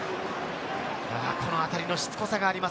このあたりのしつこさがあります